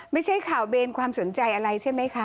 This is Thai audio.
ไม่ใช่ข่าวเบนความสนใจอะไรใช่ไหมคะ